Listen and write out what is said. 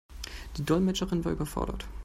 Die Dolmetscherin war überfordert.